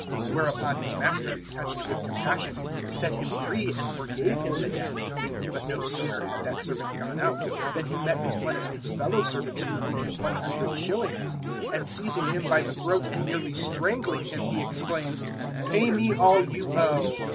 018:027 "Whereupon his master, touched with compassion, set him free and forgave him the debt. 018:028 But no sooner had that servant gone out, than he met with one of his fellow servants who owed him 100 shillings; and seizing him by the throat and nearly strangling him he exclaimed, "`Pay me all you owe.'